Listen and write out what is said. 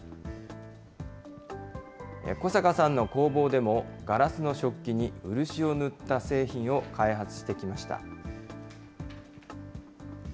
小坂さんの工房でも、ガラスの食器に漆を塗った製品を開発してきました。